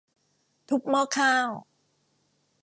ทุบหม้อข้าว